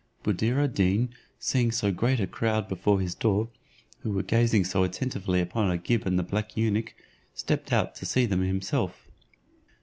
Buddir ad Deen seeing so great a crowd before his door, who were gazing so attentively upon Agib and the black eunuch, stepped out to see them himself.